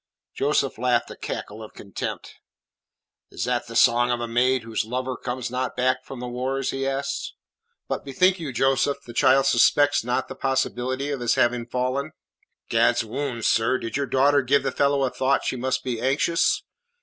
Joseph laughed a cackle of contempt. "Is that the song of a maid whose lover comes not back from the wars?" he asked. "But bethink you, Joseph, the child suspects not the possibility of his having fallen." "Gadswounds, sir, did your daughter give the fellow a thought she must be anxious.